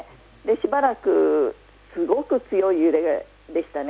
しばらくすごく強い揺れでしたね。